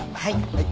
はい。